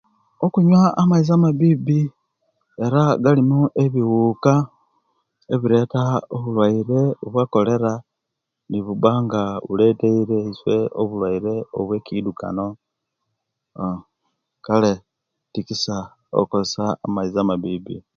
Okunyuwa amazi ababibi era galimu ebibuka ebireta obulwaire obwakolera nibuba nga buletere iswe obulwaire bwe kidukano aa kale tikisa okoyesa amaizi amabibi